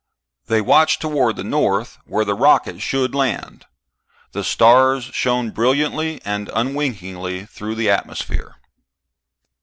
They watched toward the north, where the rocket should land. The stars shone brilliantly and unwinkingly through the atmosphere.